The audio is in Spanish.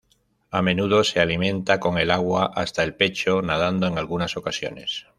A menudo se alimenta con el agua hasta el pecho, nadando en algunas ocasiones.